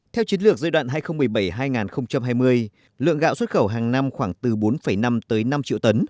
theo chiến lược giai đoạn hai nghìn một mươi bảy hai nghìn hai mươi lượng gạo xuất khẩu hàng năm khoảng từ bốn năm tới năm triệu tấn